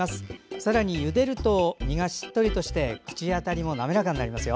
さらに、ゆでると身がしっとりとして口当たりも滑らかになりますよ。